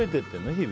日々。